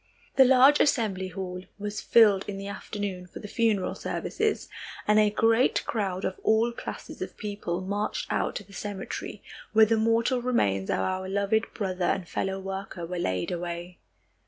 The large assembly hall was filled in the afternoon for the funeral services, and a great crowd of all classes of people marched out to the cemetery, where the mortal remains of our loved brother and fellow worker were laid away.